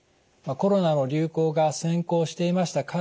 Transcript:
コロナの流行が先行していました